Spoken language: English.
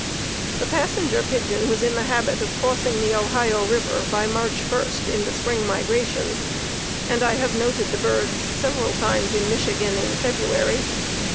The Passenger Pigeon was in the habit of crossing the Ohio River by March 1 in the spring migrations, and I have noted the birds several times in Michigan in February.